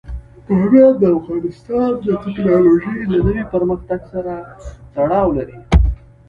بامیان د افغانستان د تکنالوژۍ له نوي پرمختګ سره تړاو لري.